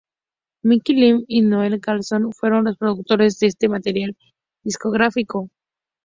Mike Levine y Noel Golden fueron los productores de este material discográfico.